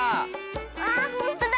あほんとだ！